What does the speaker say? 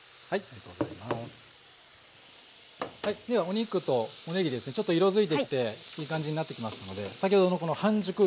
ではお肉とおねぎですねちょっと色づいてきていい感じになってきましたので先ほどの半熟